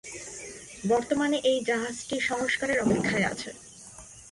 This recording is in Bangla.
বর্তমানে এই জাহাজটি সংস্কারের অপেক্ষায় আছে।